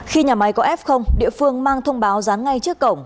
khi nhà máy có f địa phương mang thông báo dán ngay trước cổng